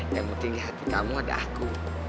yang penting di hati kamu ada aku